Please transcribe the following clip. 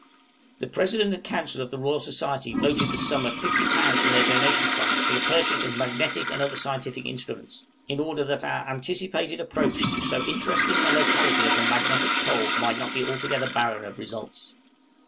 } The President and Council of the Royal Society voted the sum of 50_l._ from their donation fund for the purchase of magnetic and other scientific instruments, in order that our anticipated approach to so interesting a locality as the Magnetic Pole might not be altogether barren of results.